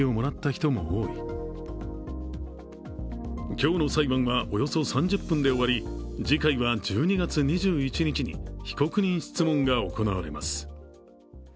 今日の裁判はおよそ３０分で終わり、次回は１２月２１日に被告人質問が行われます。